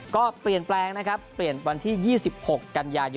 ก็เปลี่ยนแปลงนะครับเปลี่ยนวันที่๒๖กันยายน